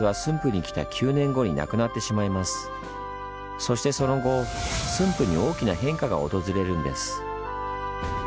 そしてその後駿府に大きな変化が訪れるんです。